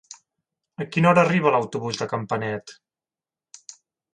A quina hora arriba l'autobús de Campanet?